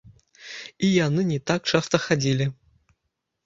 І яны не так часта хадзілі.